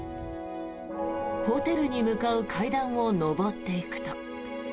ホテルに向かう階段を上っていくと。